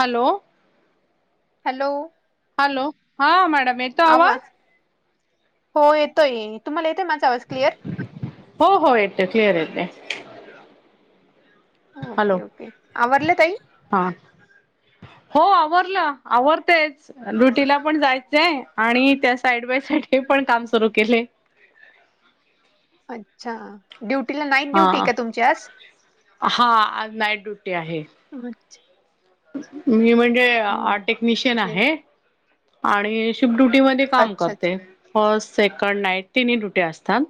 Hello. Hello. Hello हा madam येतो आवा आवाज. हो येतोय तुम्हाला? येतोय माझा आवाज क्लिअर हो हो येते क्लिअर येते. हॅलो ओके ओके आवरले ताई हा हो आव आवडतेच ड्युटीला पण जायचंय. आणि त्या साईड बाय साईड, हे पण काम केले. अच्छा. ड्युटीला नाईट हा ड्युटी का तुमची आज? हा नाईट ड्युटी आहे [unintelligible] मी म्हणजे टेक्निशियन म्हणजे आहे. आणि शिफ् फ्ट म काम अच्छा अच्छा करते. फर्स्ट सेकंड नाईट तिन्ही डुटी असतात.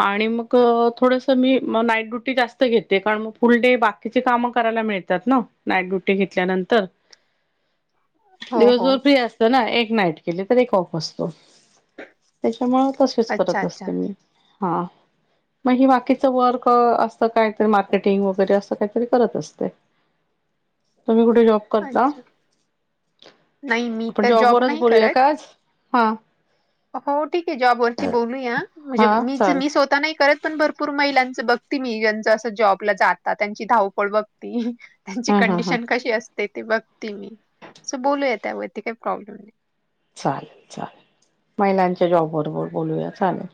आणि मक थोडस मी नाईट ड्युटी जास्त घेते, कारण मग फुलडे बाकीचे काम करा. खायला मिळतात ना नाईट ड्यूटी [unintelligible] ते घेतल्या नंतर हो हो दिवसभर फ्री असत ना एकटी नाईट केली की एक ऑफ असतो, त्याच्यामुळे तसेच अच्छा करत अच्छा असते मी हां म्हणजे बाकीच वर्क असंत कायतरी मार्केटिंग वगैरे असं काहीतरी करत असते. तुम्ही कु ठे तुम्ही जॉब करता, अच्छा नाही मी आपण तर जॉब जॉबवरच नाही बोलूया करत का? आज. हां हो ठीक आहे जॉबवररती बोलूया म्हणजे हा मीच चाल मी स्वतः नाही करत पण भरपूर महिलांच बघती मी, जेचं असं जॉब ला जातात त्यांची धावपळ बघती. त्यांची हा हा हा कंडिशन कशी असते ती बघती मी सो बोलूया त्यावरती काही प्रॉब्लेम नाही. चालेल चालेल महिलांच्या जॉबवर बोलूया चालेल.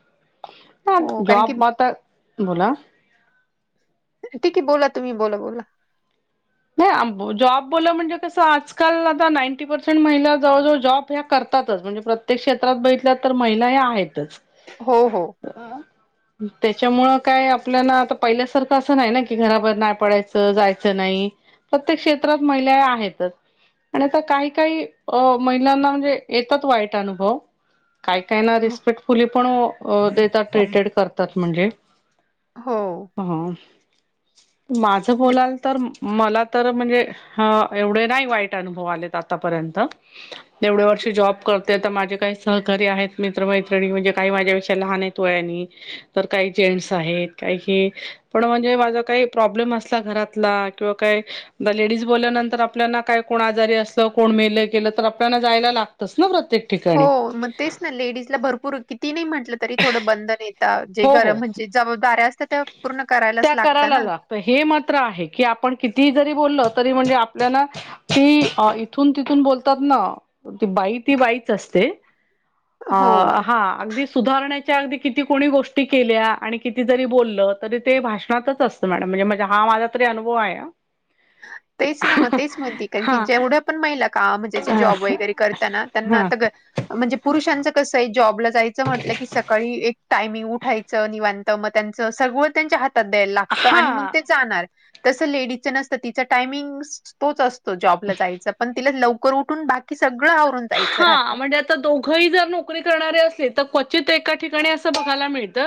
मग, हो कारण की जॉब आता बोला! ठीक आहे बोला तुम्ही बोला बोला. हों आं बु जॉब बोलं म्हणजे कस आजकाल आता नाईंटी पर्सेंट महिला जवळ जवळ जॉब ह्या कर तातच म्हणजे प्रत्येक क्षेत्रात बितल्यातर महिलां हे आहेतच. हो हो आं-हुं त्याच्यामुळं काय आपल्याला आता पहिल्यासारखं असं नाही ना! की घराबाहेर नाही, पडायचं जायचं नाही. प्रत्येक क्षेत्रात महिलां आहेतच. पण आता, काही काही अं महिलांना म्हणजे येतात वाईट अनुभव- काही -काही ना हो रिस्पेक्टफुली पण अं देतात हो ट्रीटेड करतात म्हणजे- हो. हां- माझं म्हणजे बोलाल तर म- मला तर म्हणजे हां एवढे नाही वाईट अनुभव आलेत आतापर्यंत. एवढे व- ष जॉब करतेय तर माझे काही सहकारी आहेत मित्र मैत्रिणी म्हणजे काही माझ्या विषयी लहान आहे वयानी- तर काही जेंट्स आहेत काही हे पण, म्हणजे माझा काही प्रॉब्लेम असला घरातला- किंवा काय आता लेडीज बोलल्यानंतर आपल्यानां काय कोण आजारी असतं कोण मेल गेलं तर आपल्याला जायला लाग- लागतच ना प्र- हों मग तेच नां लेडीजला भरपूर किती नाही म्हटलं तरी थोडं बंधन ये- ता जे हो हो घरामध्ये म्हणजे जबाबदऱ्या अस- त्या करायला लागत हे मात्र आहे की आपण कि- ती जरी बोलल तरी म्हणजे आपल्याला ती आं इथून तिथून बोलतात ना की बाई- ती बाईच असते. हो आं हां अगदी सुधारण्याच्या अगदी किती कोणी गोष्टी केल्या आणि किती- ती जरी बोललं, तरी ते भाषणांतच असत मॅडम म्हणजे-म्हणजे हा माझा तरी अनुभव आहे. तेच नाः मग तेच म्हणतेय, कारण हा की जेवढ्या पण महिला काम म्हणजे जॉब वगैरे करतानां त्यांना हा आता ग- म्हणजे पुरुषांचं कसंय- जॉबला जायचं म्हटलं की, सकाळी एक टायमिंग उठायचं, निवांत मग त्यांचं सगळं त्यांच्या हात- त द्यायला लागत, आणि मग हा ते जाणार तस लेडीज नस- तर तिच टायमिंग स तोच असतो जबला जायचा पण तिला लवकर उठून बाकी सगळं आ- हां म्हणजे आता दोघंही जर नोकरी करणारे असले तर क्व- चित एका ठिकाणी अस बघायला मिळत,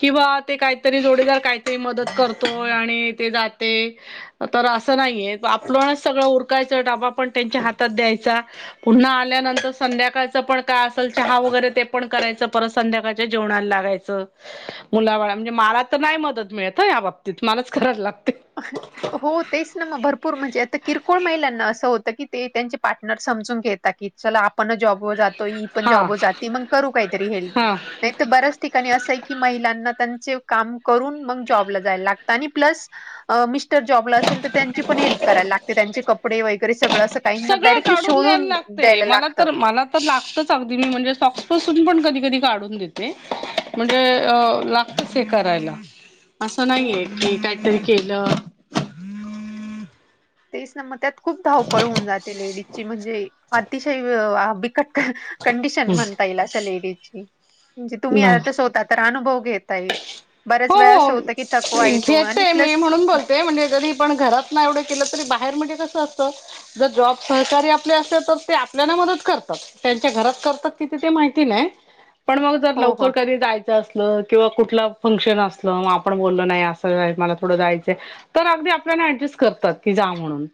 किंवा ते काहीतरी जोडीदार काहीतरी मदत करतोय- आणी ते जाते तर असं नाहीये आप सगळं उरकायचं डबा पण त्यांच्या हात- त द्यायचा पुन्हा आ- ल्या नंतर संध्याकाळच पण काय असेल चहा वगैरे ते पण करायचं, परत संध्याकाळच्या जेवणाला लागायचं. मुला बाळा म्हणजे मला तर नाही मदत मिळत हां या बाबतीत मलाच करायला लाग- हों तेच नां मग भरपूर म्हणजे आता किरकोळ महिलांना अस होत- ते कीती त्यांचे पार्टनर समजून घेता की चला आपणच जॉब तो जातोय ही पण हा जाॅबवर जाती मग करू कहीतरी वेळी हा नाही बऱ्याच ठिकाणी अस की मलांना- [inaudible] जॉबला असेल तर त्यांची पण हेल्प करायला लागते त्यांचे कपडे वगैरे सगळं काहींना सगळ डायरेक्टली काढून द्यायला शोधून लागते द्यायला मला लागतं तर मला तर लागतच अगदी मी म्हणजे सॉक्सपसून पण कधी कधी काढून देते म्हणजे लात करायला असं हो नाहीये की काहीतरी केलं तेच ना मग त्यात खूप धावपळ होऊन जाते लेडीजची म्हणजे अतिशय कं म्हण ये म्हण बा तुम्हीव अुव घेत आहे हो हो घेते मी प्लस म्हणून बोलते म्हणजे कध पण घरात ना एवढ बाण जकार आपल्या म च्या घरात करतात क माहिती नाही पण मग जर हो हो. लवकर कधी जायचं असलं किंवा कुठला ंशन असग आपण बलो नाही अस मला थोडं जायच आपल्याड करत का म्हणून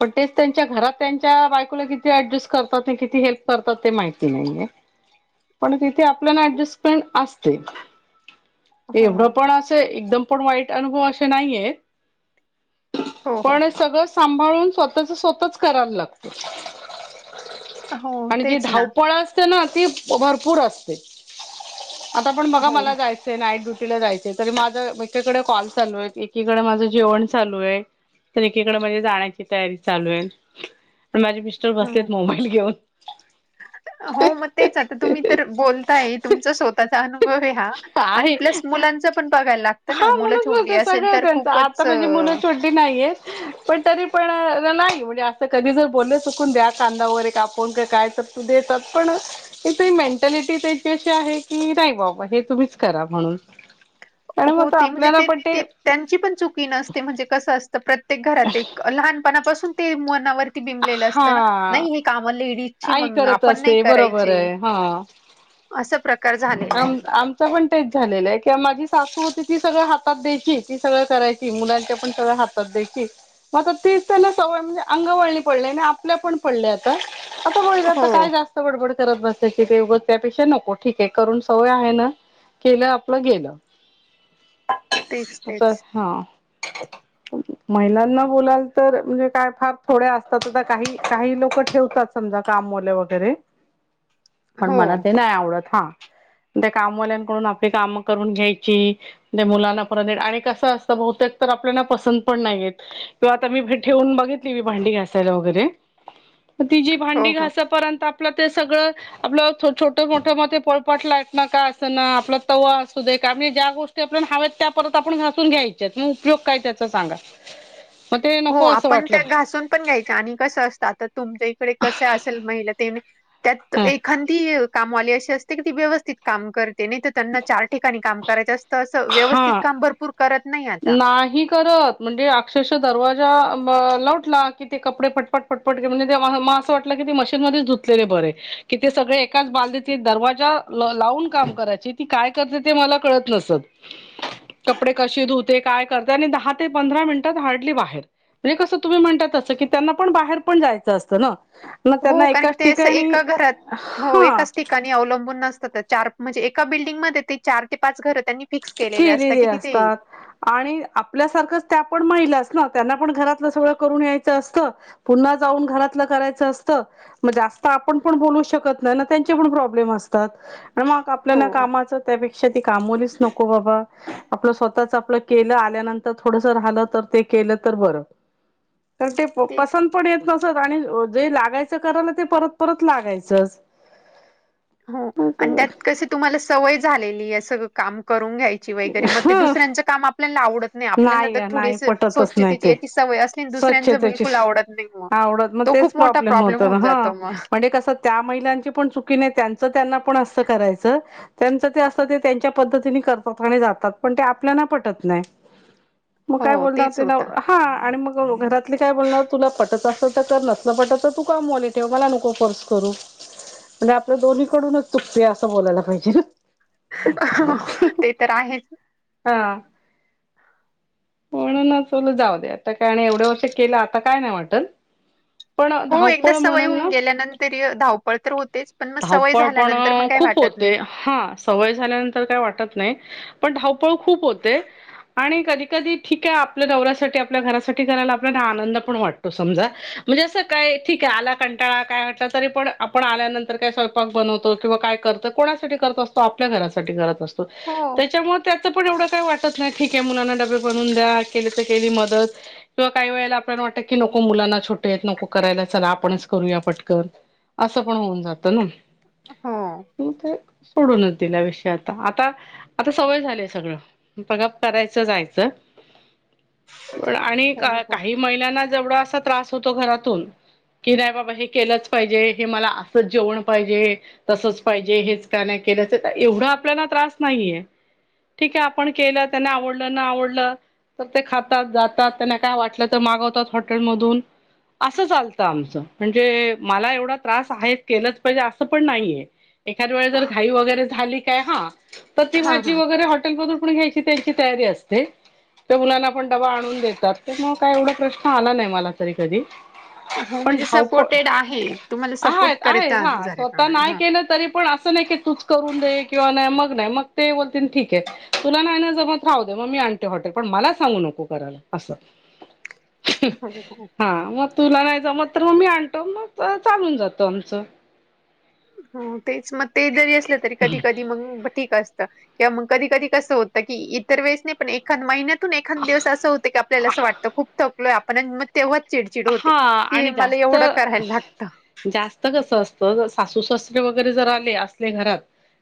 पण तेच त्यांच्या घरात त्यांच्या बायकोला किती ऍडजस्ट करतात आणि किती हेल्प करतात ते माहिती नाहीये पण तिथे आपल्याला ऍडजस्टमेंट असते हो एवढंपण असं एकदमपण वाईट अनुभव असे नाहीये. हो हो पण हे सगळं सांभाळून, स्वतःचं स्वतःच करायला लागतं. हो आणि जी तेच ना धावपळ असते ना, ती भरपूर असते. आतापण हो बघा मला जायचंय, नाईट ड्यु टीला जायचंय, तरी माझं एकीकडे कॉल चालू आहे, एकीकडे माझं जेवण चालू आहे. तर एकीकडे म्हणजे जाण्याची तयारी चालू आहे. तर माझे मिस्टर बसलेत हो. मोबाईल घेऊन. ह हो मग, तेच आता तुम्ही तर बोलताय. तुमचा स्वतःचा अनुभव आहे हा आणि आहे प्लस मुलां हा म्हणूनच बोलते, सगळ तर त्यांच आता खूपच अ, म्हणजे मुलं छोटी नाहीयेत, पण तरीपण तर नाही म्हणजे असं कधी जर बोलले चुकून, द्या कांदा वगैरे कापून, का काय तर तू देतात. पण काहीतरी मेंटॅलिटी त्यांची अशी आहे की, नाही बाबा हे तुम्हीच करा म्हणून. आणि हो मग ते म्हणजे आपल्याला ते पण ती त्यांचीपण चुकी नसते, म्हणजे कसं असतं प्र त्येक घरात एक लहानपणापासून ते मनावर बिबलेलं असतं ना, हा नाही काम लेडीजची आई मंग करत आपण नाही असते बरोबर करायची. आहे हा असं प्रक आम आमचपण तेच झालेलं आहे, की माझी सासू होती ती सगळं हातात द्यायची, ती सगळं करायची, मुलांच्यापण सगळं हातात द्यायची. मग आता ती च त्यांना सवय म्हणजे अंगवळणी पडलंय आणि आपल्या पण पडलंय आता आता बोललं आता हो काय जास्त बडबड करत बसायची, ते उग त्यापेक्षा नको. ठीक ते करून सवय आहे ना, केलं आपलं गेलं. तेच असं तेच हा. [unintelligible] महिलांना बोलाल तर म्हणजे काय फार थोड्या असतातच, काही काही लोकं ठेवतात स कामवाल्या वगैरे. पण हो मला ते नाही आवडत हा. त्या कामवाल्यांकडून आपली काम करून घ्यायची, ते मुलांना परत तेन आणि कसं असतं बहुतेक तर आपल्याला पसंत पण नाही येत किंवा आता मी ठेवून बघितली, मी भांडी घासायला वगैरे ती जी हो भांडी हो घासंपर्यंत आपलं ते सगळं आपलं छोटं मोठं म ते प पटलाट ना का असं ना आपला तवा असू दे आणि आपल्या ज्या गोष्टी आपल्याला हव्यात, त्या परत आपण घसून घ्यायच्या. म उपयोग काय त्याचा सांगा. मग ते हो, नको असं आपण वाटलं त्या घासूनपण घ्यायच्या आणि कसं असतं, आता तुमच्या इकडे कसं असेल महिला त्यात एखादी ए काम हे कामवाली अस ते की ती व्यवस्थित काम करते, नाहीतर त्यांना चार ठिकाणी काम करायचं अस हा आता नाही करत. म्हणजे अक्ष रशा दरवाजा लावटला की ते कपडे पटपट पटपट घेऊन येते. त्यामुळे म असं वाटलं की मशीनमध्ये धुतलेले बरे, की ते सगळे एकाच [unintelligible] दरवाजा लावून काम करायचे. ती काय करते ते मला कळत नसत. कपडे कशी धुते काय करते आणि दहा ते पंधरा मिनिटात हार्डली बाहेर. म्हणजे कसं तुम्ही म्हणता तसं की त्यांनापण बाहेरपण जायचं असतं ना? मग हो, त्यांना कारण एकाच ते असं ठिकाणी एका घरात हो हा एकाच ठिकाणी अवलंबून नसतात. चार म्हणजे एका बिल्डिंगमध्ये ते चार ते पाच घर त्यांनी फिक्स केलेले केलेली की तिथे असतात आणि आपल्यासारखच त्यापण महिलाच ना त्यांनापण घरातलं सगळं करून यायच असतं. पुन्हा जाऊन घरातलं करायचं असतं. म जास्त आपणपण बोलू शकत नाही ना, त्यांचेपण प्रॉब्लेम असतात. मग आपल्याला हो कामाचं त्यापेक्षा ती कामवालीच न को. आपलं स्वतःच आपलं केलं, आल्यानंतर थोडसं ते राहलं तर ते केलं तर बरं. तर ते तेच पसंतपण येत नसत आणि जे लागायचं करायला ते परत परत लागायचच. हो आणि त्यात कशी तुम्हाला सवय झालेली या सग काम करून घ्यायची व्हय. म ते ह दुसऱ्यांच काम आपल्याला आवडत आणि आपल्याला नाही जर ग थोडी नाही पटतच नाही स्वच्छतेची ते. याची सवय असली आणि दुसऱ्यांच स्वच्छतेची बिलकुल आवडत नाहीत मग. आवडत मग तो तेच खूप मोठा प्रॉब्लेम होतं ना होऊन हा जातो मग म्हणजे कसं त्या महीलंची पण चुकी नाय तेचं त्यांना पण असत करायचं तेचं ते असत ते तेंच्य पद्धतीने करत अ जातात पण ते आपल्याला पटत नाही मग काय हो बोलत तेच होता हा आणि मग हो घरातली काय बोलणार तुला पटत असल तर कर नसलं पटत तर तू कामवली ठेव मला नको फोर्स करू म्हणजे आपल्या दोन्हीकडूनच चूप असं बोलायला पाहिजे ना हाहा ते तर आहेच म्हणून ना चल जाऊ दे आता काय आणि एवढ्या वर्ष केलं आता काय नाही वाटल पण हो एकदा धावपळ सवय म्हणाल होऊन ना गेल्यानंतर धव धावपळ पण काही खूप वाटत नाही होते हा सवय झाल्यानंतर काय वाटत नाही पण धावपळ खूप होते आणि कधी कधी ठीक आहे आपल्या दौऱ्यासाठी आपल्या घरासाठी करायला आपल्या आनंद पण वाटतो समजा म्हणजे अस काय ठीक आहे आला कंटाळा काय म्ह तरी आपन आल्यानंत ते काय स्वयंपाक बनवतो किंवा काय करत कोणासाठी करत असतो आपल्या घरासाठी करत असतो हो त्याच्यामुळे त्या पण एवढ काही वाटत नाही ठीक आहे मुलांना डबे बनुन द्या केली तर केली मदत किंवा काही वेळेला आप ट क नको मुलांना छोटे नको करायला चला आपणच करूया फटकन असं पण होऊन जात तण हो म ते सोडूनच दिल्या विषय आता आता आता सवय झालीय सगळं बघा करायचं जायचं प आणि हो काही महिलांना जेवढं असं त्रास होत घरातून क नाही बाबा हे केलंच पाहिजे हे म अस जेवण पाहिजे तसच पाहिजे हेच का नाही केल्याच एवढा आपल्याला त्रास नाहीये ठीके आपण केलं त्यांना आवडलं न आवडलं तर ते खातात जातात त्यांना काय वाटलं तर मागवतात हॉटेलमधून असं चालतं आमच म्हणजे मला एवढा त्रास आहे केलंच पाहिजे असं पण नाहीये एखाद वेळे जर घाई वगैरे झाली काय हा तर ती हां भाजी हां वगैरे हॉटेलमधून पण घ्यायची त्यांची तयारी असते त्या मुलांना पण डबा आणून देतात तर मग काय एवढा प्रश्न आला नाही मला तरी कधी हो पण म्हणजे सपोर्टेड आहे तुम्हाला सपोर्ट आहे हा करतात जरा स्वतः प्रमाणे नाही हा केलं तरी पण असं नाही की तूच करून दे ते किंवा नाही मग नाही मग ते बोलतील ठीक आहे तुला जमत नाही नव राहूदे मी आणतो हॉटेल मधून पण म सांगू नको करायला अस हो हो. हा मग तुला नाही ज मग तर मग मी आणतो मग चालून जात आमचं हो तेच मग ते जरी असलं तरी कधी कधी मग ठीक असत किंवा मग कधी कधी कसं होतं की इतर वेळेस नाही पण एखाद महिन्यात तून एखाद दिवस असं होत की आपल्याला असं वाटतं खूप थकलो आपण मग तेव्हा हा आणि जास्त करायला लागतं. जास्त कस असत तर सासू सासरे वगैरे जर आले असले घरात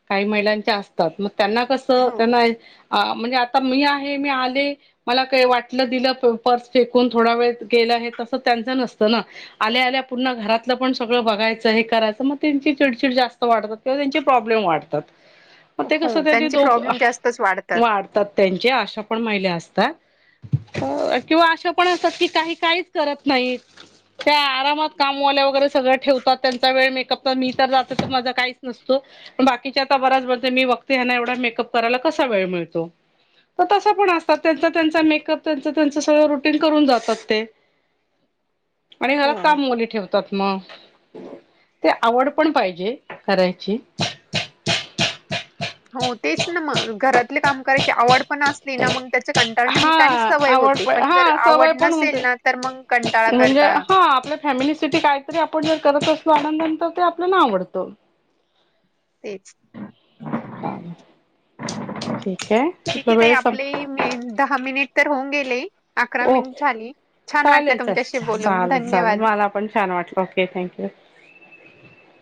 काही महिलांच्या असतात मग त्यांना कसं हो. त्यांना अ म्हणजे आता मी आहे मी आले मला काही वाटलं दिलं पर्स फेकून थोडा वेळ गेलं आहे त त्यांच नसत ना आल्या आल्या पुर्ण घरातलं पण सगळ बघायचं हे करायचं मग त्यांची चिड चिड जास्त वाढता किवा त्यांचे प्रॉब्लेम वाढतात मग ते कस हो त्यांनी त्यांचे दोघ प्रॉब्लेम जास्तच वाढतात त्यांची आशा पण महिला असतात तात किंवा अशा पण असात कि काही काहीच करत नाहीत त्या आरामात कामवाल्या वगैरे सगळं ठेवतात त्यांचा वेळ मेकअप मी तर जात तर माझा काहीच नसतो पण बाकीच्या आता बरा्याच बघते मी बघते हना एवढा मेकअप करायला कसा वेळ मिळतो तर तसं पण असतात त्यांच त्यांचा मेकअप त्यांच त्यांच सगळं रुटीन करून जातात ते आणि घरात हो. कामवाली ठेवतात मग ते आवड पण पाहिजे करायची हो तेच ना मग घरातले काम करायची आवड अस ना मग त्या कंटाळ नाही हा आणि सवय आवड होते पण जर हा आवड सवय पण नसेल होते. ना तर मग कंटाळा म्हणजे करता हा आपल्या फॅमिलीसाठी कायतरी आपण जर करत असलो आनंदाने तर ते आपल्याला आवडत. तेच ठीक आहे ठीक आपला आहे ताई वेळ आपले संप मी दहा मिनिट तर होऊन गेले. तर ओके चालेल चाल तुमच्याशी बोलून चालेल चालेल धन्यवाद. मला पण छान वाटलं ओके थँकू. [inaudible]